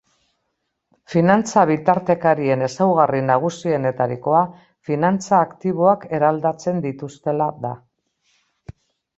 Finantza bitartekarien ezaugarri nagusienetarikoa finantza aktiboak eraldatzen dituztela da.